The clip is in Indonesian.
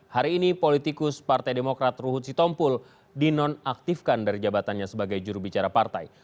hari ini politikus partai demokrat ruhut sitompul dinonaktifkan dari jabatannya sebagai jurubicara partai